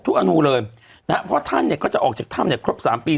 อนูเลยนะฮะเพราะท่านเนี่ยก็จะออกจากถ้ำเนี่ยครบสามปี